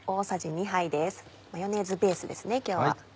マヨネーズベースですね今日は。